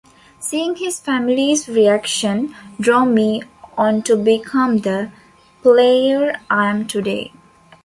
Seeing his family's reaction drove me on to become the player I am today.